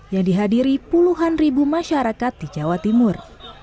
yang dihadiri puluhan ribu masyarakat di jawa timur